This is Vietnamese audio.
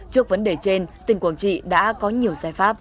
trước vấn đề trên tỉnh quảng trị đã có nhiều